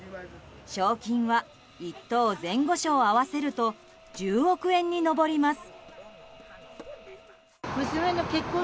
賞金は１等前後賞合わせると１０億円に上ります。